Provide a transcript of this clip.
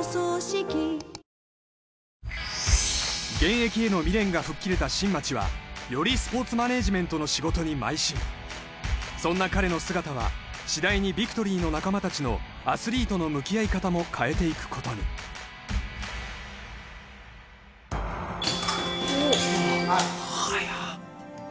現役への未練が吹っ切れた新町はよりスポーツマネージメントの仕事にまい進そんな彼の姿は次第にビクトリーの仲間達のアスリートの向き合い方も変えていくことにおお速っ！